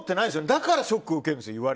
だから言われてショック受けるんです。